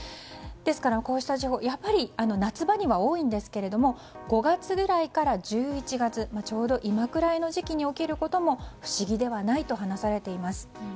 ですから、こうした事故夏場には多いんですが５月ぐらいから１１月ちょうど今ぐらいの時期に起こることも不思議ではないと話されています。